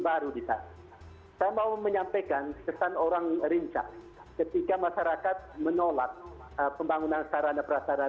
baru di sana saya mau menyampaikan kesan orang rinca ketika masyarakat menolak pembangunan sarana prasarana